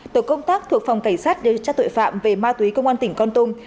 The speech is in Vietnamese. tổ công tác thuộc phòng cảnh sát điều tra tội phạm về ma túy công an tỉnh con tum